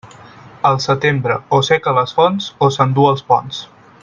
El setembre, o seca les fonts o s'enduu els ponts.